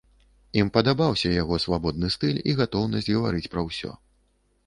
Ім падабаўся яго свабодны стыль і гатоўнасць гаварыць пра ўсё.